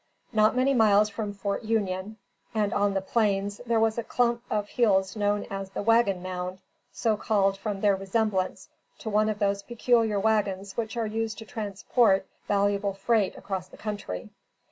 Not many miles from Fort Union, and on the plains, there is a clump of hills known as the "Wagon Mound," so called from their resemblance to one of those peculiar wagons which are used to transport valuable freight across the country.